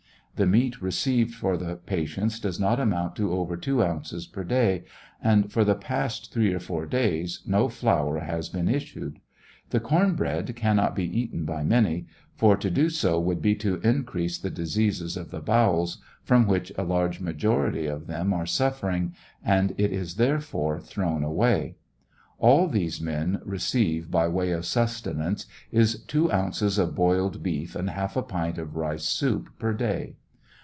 The meat received for the patients does not amount to over two ounces per day ; and for the past three or four days no flour has been Issued. The corn bread can not be eaten by many, for to do so would be to increase the diseases of the bowels, from which a large majority of them are suffering, and it is therefore thrown away. AH these men TRIAL OF HENRY WIRZ 749 receive, by way of susteuauce, is two ounces of boiled beef and half a pint of rice soup per day.